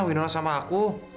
wih nona sama aku